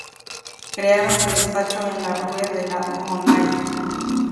Crearon su despacho en la rue de la Monnaie.